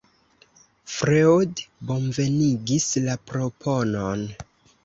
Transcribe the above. Freud bonvenigis la proponon.